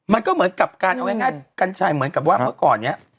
มันก็เหมือนกับการเอาง่ายกัญชัยเหมือนกับว่าเมื่อก่อนนี้